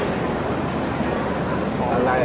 แล้วก็จะกรรมรอดทั้งหมดแล้วก็จะกรรมรอดทั้งหมด